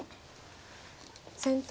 先手